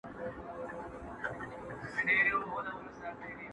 یاره چنار دي پېغور نه راکوي.